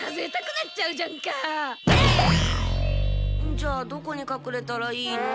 じゃあどこにかくれたらいいの？